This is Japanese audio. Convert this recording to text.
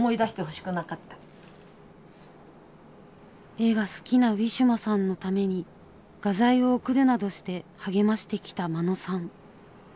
絵が好きなウィシュマさんのために画材を送るなどして励ましてきた眞野さん。